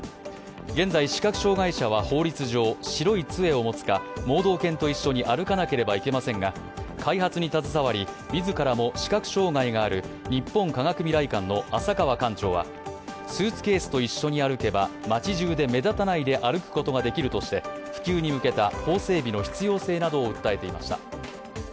現在、視覚障害者は法律上、白いつえを持つか盲導犬と一緒に歩かなければいけませんが、開発に携わり、自らも視覚障害がある日本科学未来館の浅川館長はスーツケースと一緒に歩けば街じゅうで目立たないで歩くことができるとして、普及に向けた法整備の必要性などを訴えていました。